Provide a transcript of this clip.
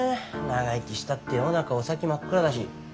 長生きしたって世の中お先真っ暗だし。